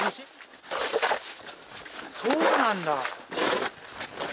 そうなんだ。